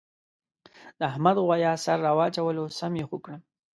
د احمد غوایه سر را واچولو سم یې خوږ کړم.